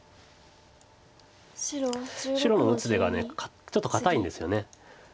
白の打つ手がちょっと堅いんですよね。